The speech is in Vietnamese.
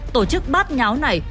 tổ chức bắt nháo này